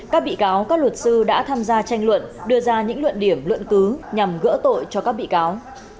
các bị cáo các luật sư đã tham gia tranh luận đưa ra những luận điểm luận cứ nhằm gỡ tội cho các bị cáo